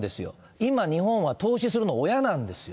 今、日本は投資するのは親なんですよ、